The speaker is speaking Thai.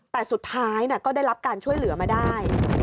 แต่สุดท้ายก็ได้รับการช่วยเหลือมาได้